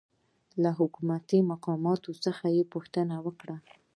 له حکومتي مقاماتو څخه یې غوښتنه وکړه